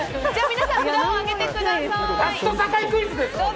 皆さん、札を上げてください。